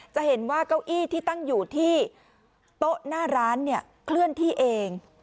จะเห็นว่าเก้าอี้ที่ตั้งอยู่ที่โต๊ะหน้าร้านเนี่ยเคลื่อนที่เอง